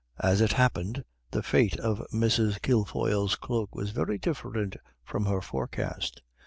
As it happened, the fate of Mrs. Kilfoyle's cloak was very different from her forecast.